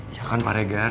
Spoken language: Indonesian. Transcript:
iya kan pak regar